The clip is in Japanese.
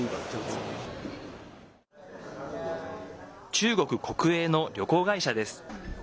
中国国営の旅行会社です。